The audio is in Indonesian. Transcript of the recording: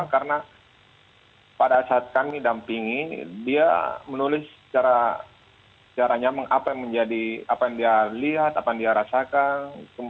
karena pada saat kami dampingi dia menulis secara nyameng apa yang dia lihat apa yang dia rasakan